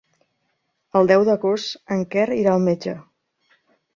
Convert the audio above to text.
El deu d'agost en Quer irà al metge.